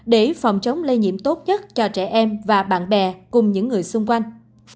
để phòng chống lây nhiễm tốt nhất cho trẻ em và bạn bè cùng những người xung quanh